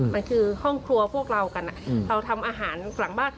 มันคือห้องครัวพวกเรากันเราทำอาหารหลังบ้าน